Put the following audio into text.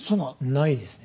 ないですね。